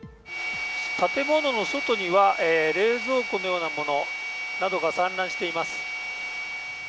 建物の外には冷蔵庫のようなものなどが散乱しています。